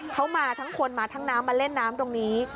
เขามาทั้งคนมาทั้งน้ำมาเล่นน้ำตรงนี้